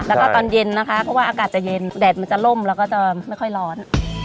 แล้วก็ตอนเย็นนะคะเพราะว่าอากาศจะเย็น